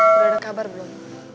udah ada kabar belum